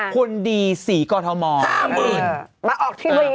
คนดีศรีกรทมมาออกทีวีเลย